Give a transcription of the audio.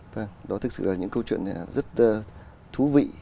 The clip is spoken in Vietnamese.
vâng đó thực sự là những câu chuyện rất thú vị